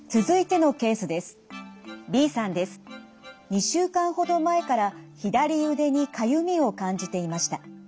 ２週間ほど前から左腕にかゆみを感じていました。